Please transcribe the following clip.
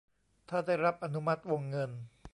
ถ้าได้รับอนุมัติวงเงิน